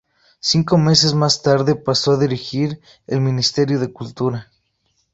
Cinco meses más tarde pasó a dirigir el Ministerio de Cultura.